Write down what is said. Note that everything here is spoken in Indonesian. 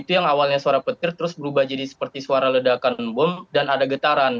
itu yang awalnya suara petir terus berubah jadi seperti suara ledakan bom dan ada getaran